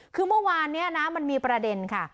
คือเมื่อวานนี้นะมันมีประเด็นค่ะ